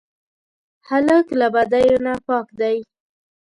هلک له بدیو نه پاک دی.